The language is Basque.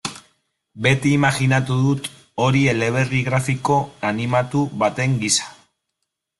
Beti imajinatu dut hori eleberri grafiko animatu baten gisa.